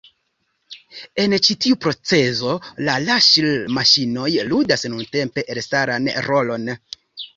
En ĉi tiu procezo la raŝel-maŝinoj ludas nuntempe elstaran rolon.